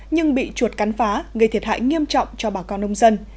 nhưng bị chuột cắn phá gây thiệt hại nghiêm trọng cho bà con nông dân